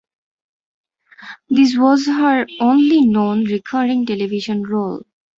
This was her only known recurring television role.